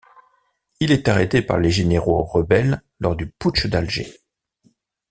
Il est arrêté par les généraux rebelles lors du putsch d'Alger.